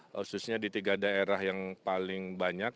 khususnya di tiga daerah yang paling banyak